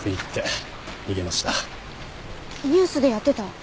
ニュースでやってた。